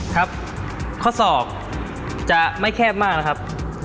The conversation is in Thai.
ครับข้อศอกจะไม่แคบมากนะครับ